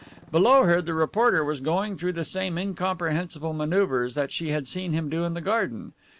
Below her the reporter was going through the same incomprehensible maneuvers that she had seen him do in the garden.